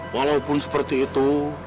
walaupun seperti itu